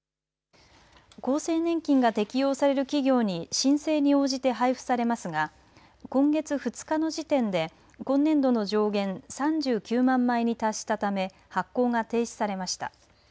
厚生年金が適用される企業に申請に応じて配付されますが今月２日の時点で今年度の上限３９万枚に達したため発行が停止されました。